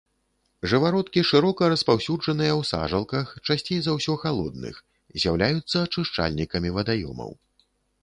Жывародкі шырока распаўсюджаныя ў сажалках, часцей за ўсё халодных, з'яўляюцца ачышчальнікамі вадаёмаў.